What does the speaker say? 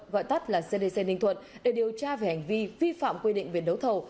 gọi tắt là cdc ninh thuận để điều tra về hành vi vi phạm quy định về đấu thầu